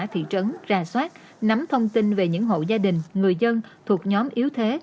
thị trấn ra soát nắm thông tin về những hộ gia đình người dân thuộc nhóm yếu thế